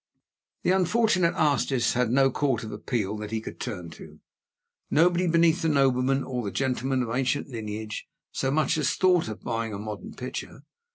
The unfortunate artist had no court of appeal that he could turn to. Nobody beneath the nobleman, or the gentleman of ancient lineage, so much as thought of buying a modern picture.